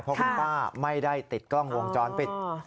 เพราะคุณป้าไม่ได้ติดกล้องวงจรปิด